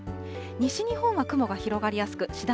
西日本は雲が広がりやすく、次第